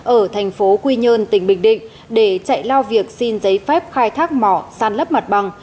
ở thành phố quy nhơn tỉnh bình định để chạy lao việc xin giấy phép khai thác mỏ săn lấp mặt bằng